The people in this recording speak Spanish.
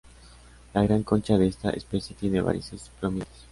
La gran concha de esta especie tiene varices prominentes.